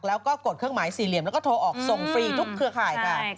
แล้วก็กดเครื่องหมายสี่เหลี่ยมแล้วก็โทรออกส่งฟรีทุกเครือข่ายค่ะ